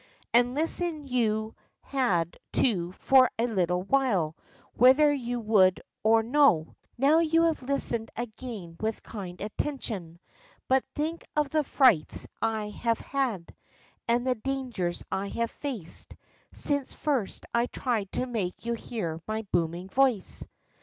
And listen you had to for a little Avhile, Avhether you Avould or no. I^OAV you haA^e listened again Avith kind atten tion. But think of the frights I haA^e had, and the dangers I have faced, since first I tried to make you hear my booming voice !